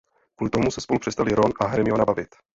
Kvůli tomu se spolu přestali Ron a Hermiona bavit.